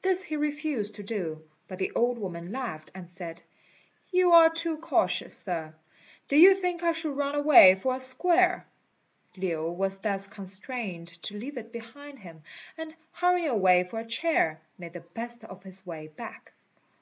This he refused to do; but the old woman laughed, and said, "You are too cautious, Sir; do you think I should run away for a square?" Lin was thus constrained to leave it behind him, and hurrying away for a chair, made the best of his way back.